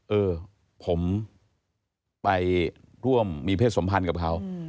เออผมไปร่วมมีเพศสมพันธ์กับเขา